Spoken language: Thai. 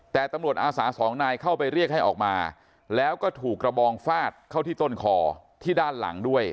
แต่ตำรวจอาสาสองนายเข้าไปเรียกให้ออกมาแล้วก็ถูกกระบองฟาดเข้าที่ต้นคอที่ด้านหลังด้วย